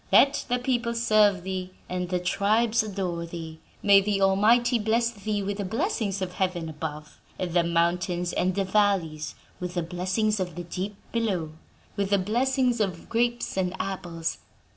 Let the people serve thee and the tribes adore thee. May the Almighty bless thee with the blessings of heaven above, and the mountains and the valleys with the blessings of the deep below, with the blessings of grapes and apples!